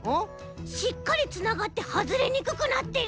しっかりつながってはずれにくくなってる。